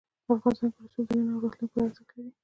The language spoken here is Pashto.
افغانستان کې رسوب د نن او راتلونکي لپاره ارزښت لري.